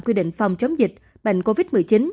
quy định phòng chống dịch bệnh covid một mươi chín